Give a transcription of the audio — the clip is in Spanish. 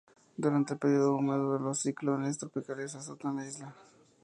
Durante el período húmedo, los ciclones tropicales azotan la isla.